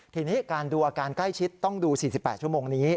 ทีนี้การดูอาการใกล้ชิดต้องดู๔๘ชั่วโมงนี้